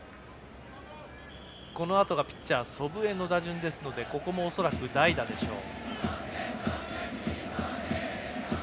このあとがピッチャー祖父江の打順ですのでここも恐らく、代打でしょう。